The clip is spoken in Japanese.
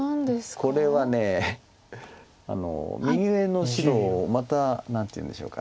これは右上の白をまた何ていうんでしょうか。